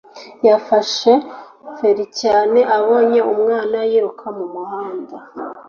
Yafashe feri cyane abonye umwana yiruka mumuhanda.